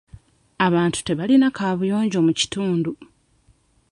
Abantu tebalina kaabuyonjo mu kitundu.